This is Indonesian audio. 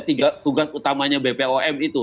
tiga tugas utamanya bpom itu